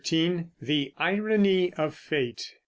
THE IRONY OF FATE.